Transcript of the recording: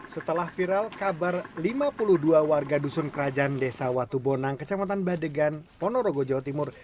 setelah viral kabar lima puluh dua warga dusun kerajaan desa watubonang kecamatan badegan ponorogo jawa timur